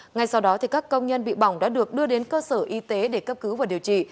ngay sau đó các công nhân bị bỏng đã được đưa đến cơ sở y tế để cấp cứu và điều trị